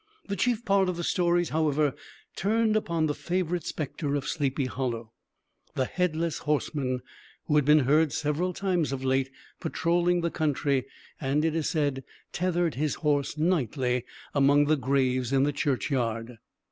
The chief part of the stories, however, turned upon the favorite specter of Sleepy Hollow, the headless horseman, who had been heard several times of late, patrolling the country, and, it is said, tethered his horse nightly among the graves in the churchyard.